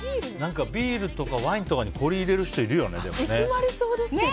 ビールとかワインとかに氷入れる人いるよね。